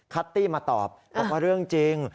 คัตตี้มาตอบว่าเรื่องจริง